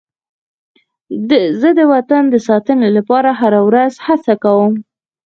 زه د وطن د ساتنې لپاره هره ورځ هڅه کوم.